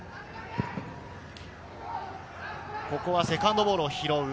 セカンドボールを拾う。